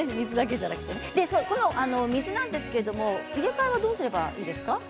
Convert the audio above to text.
この水なんですが入れ替えはどうすればいいですか。